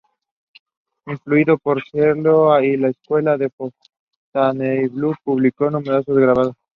Influido por Serlio y la Escuela de Fontainebleau publicó numerosos grabados.